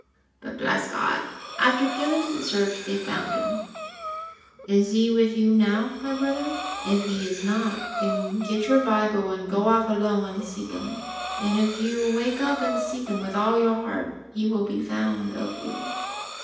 But, bless God, after diligent search they found Him ! Is He with you now, my brother? If He is not, then get your Bible and go off alone and seek Him, and if you wake up and seek Him with all your heart, He will be found of you.